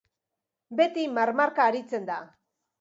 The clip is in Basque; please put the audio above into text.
Beti marmarka aritzen da.